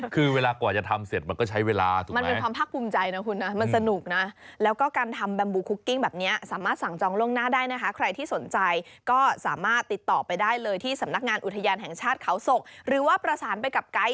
คือเวลาก่อนจะทำเสร็จมันก็ใช้เวลา